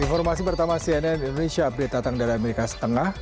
informasi pertama cnn indonesia update datang dari amerika setengah